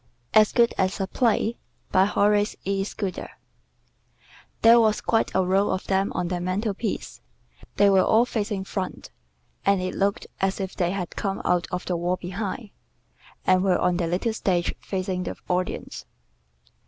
"AS GOOD AS A PLAY" BY HORACE E. SCUDDER There was quite a row of them on the mantel piece. They were all facing front, and it looked as if they had come out of the wall behind, and were on their little stage facing the audience.